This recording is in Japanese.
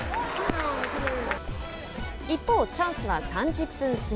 一方、チャンスは３０分過ぎ。